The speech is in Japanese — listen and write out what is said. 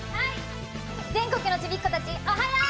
全国のちびっこたち、おはよう！